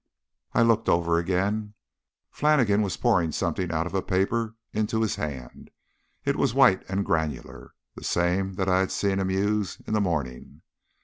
I looked over again. Flannigan was pouring something out of a paper into his hand. It was white and granular the same that I had seen him use in the morning.